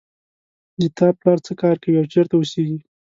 د تا پلار څه کار کوي او چېرته اوسیږي